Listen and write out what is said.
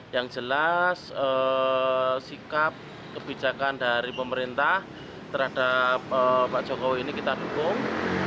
yang jelas sikap kebijakan dari pemerintah terhadap pak jokowi ini kita dukung